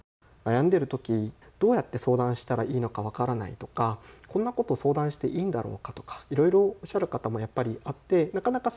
悩んでいる時どうやって相談したらいいのか分からないとかこんなこと相談していいんだろうかとかいろいろおっしゃる方もやっぱりあって。